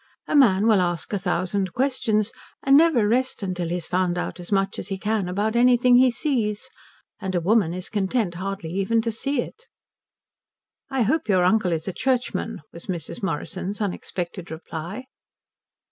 A man will ask a thousand questions, and never rest till he's found out as much as he can about anything he sees, and a woman is content hardly even to see it." "I hope your uncle is a Churchman," was Mrs. Morrison's unexpected reply.